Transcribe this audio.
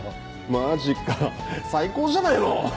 マジか最高じゃないの！